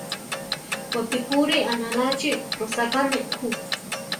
Wapíkuri aʼnaláchi rosákame jú.